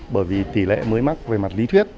bởi vì tỷ lệ mới mắc về mặt lý thuyết